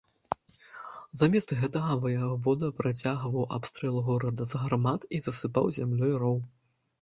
Замест гэтага ваявода працягваў абстрэл горада з гармат і засыпаў зямлёй роў.